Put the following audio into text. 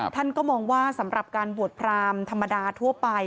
ท่านก็มองว่าสำหรับการบวชพรามธรรมดาทั่วไป